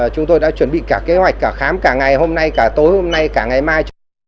chúng tôi đã chuẩn bị cả kế hoạch cả khám cả ngày hôm nay cả tối hôm nay cả ngày mai